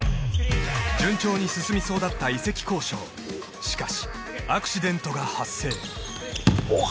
順調に進みそうだった移籍交渉しかしアクシデントが発生おっ